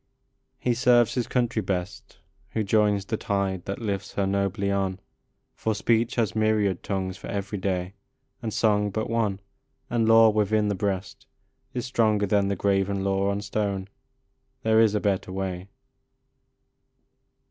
He serves his country best, Who joins the tide that lifts her nobly on ; For speech has myriad tongues for every day, And song but one ; and law within the breast Is stronger than the graven law on stone : There is a better way. 26 THE BETTER WAY.